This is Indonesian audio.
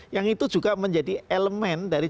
yang itu juga menjadi elemen dari